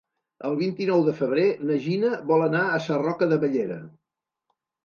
El vint-i-nou de febrer na Gina vol anar a Sarroca de Bellera.